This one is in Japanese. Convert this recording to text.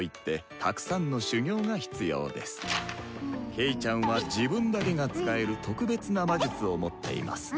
「ケイちゃんは自分だけが使える特別な魔術を持っています。